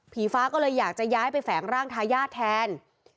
ฟ้าก็เลยอยากจะย้ายไปแฝงร่างทายาทแทน